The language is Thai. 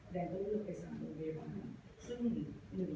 แดงก็เลือกเขียกสามโรงพิพยาบาลซึ่งหนึ่ง